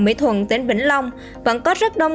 mỹ thuận tỉnh vĩnh long vẫn có rất đông